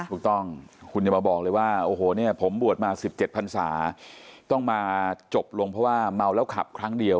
ถูกต้องคุณอย่ามาบอกเลยว่าโอ้โหเนี่ยผมบวชมา๑๗พันศาต้องมาจบลงเพราะว่าเมาแล้วขับครั้งเดียว